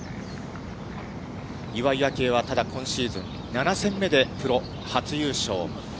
岩井明愛はただ今シーズン、７戦目でプロ初優勝。